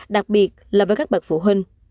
đặc biệt là với các bậc phụ huynh